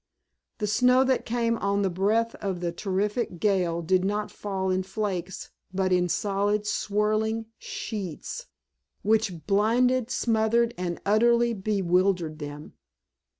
The snow that came on the breath of the terrific gale did not fall in flakes, but in solid whirling sheets, which blinded, smothered, and utterly bewildered them.